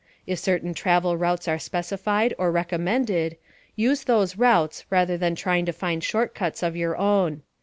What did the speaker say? If certain travel routes are specified or recommended, use those routes rather than trying to find short cuts of your own.